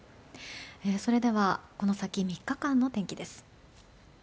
それでは、この先３日間の天気です。